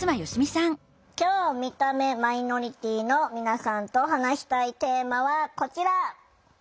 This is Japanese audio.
今日見た目マイノリティーの皆さんと話したいテーマはこちら。